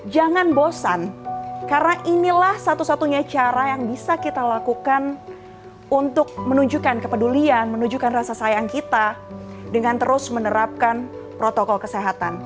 jangan bosan karena inilah satu satunya cara yang bisa kita lakukan untuk menunjukkan kepedulian menunjukkan rasa sayang kita dengan terus menerapkan protokol kesehatan